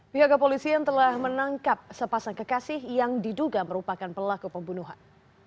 pihak kepolisian telah menangkap sepasang kekasih yang diduga merupakan pelaku pembunuhan